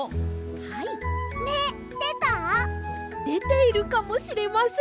はい。めでた？でているかもしれません。